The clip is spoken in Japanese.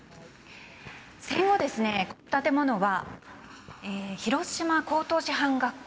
戦後ですね、この建物は広島高等師範学校。